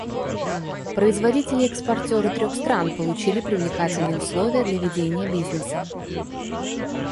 Производители-экспортеры трех стран получили привлекательные условия для ведения бизнеса.